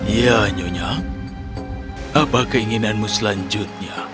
ya nyonya apa keinginanmu selanjutnya